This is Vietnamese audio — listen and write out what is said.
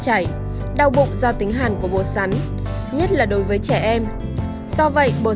các tác dụng phụ như tiêu chảy đau bụng do tính hàn của bột sắn nhất là đối với trẻ em do vậy bột